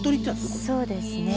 そうですね。